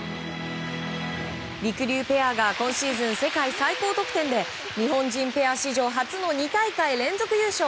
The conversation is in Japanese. りくりゅうペアが今シーズン世界最高得点で日本人ペア史上初の２大会連続優勝！